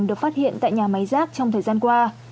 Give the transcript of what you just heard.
được phát hiện tại nhà máy rác trong thời gian qua